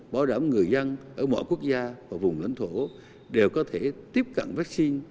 bảo đảm người dân ở mọi quốc gia và vùng lãnh thổ đều có thể tiếp cận vaccine